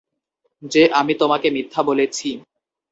যে আমি তোমাকে মিথ্যে বলেছি।